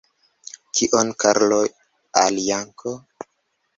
Kion Karlo al Janko?